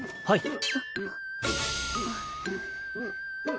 はい。